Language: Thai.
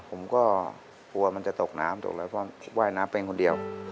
ผมก็กลัวมันจะตกน้ำตกแล้วเพราะว่ายน้ำเป็นคนเดียว